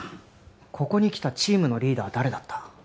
ここに来たチームのリーダー誰だった？